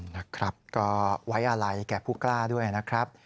นะครับก็ไว้อะไรแก่ผู้กล้าด้วยนะครับ